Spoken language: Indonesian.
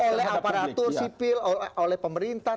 oleh aparatur sipil oleh pemerintah